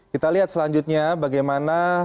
kita lihat selanjutnya bagaimana